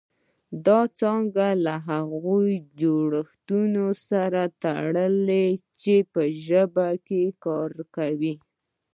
دا څانګه له هغو جوړښتونو سره تړلې چې ژبه پکې کار کوي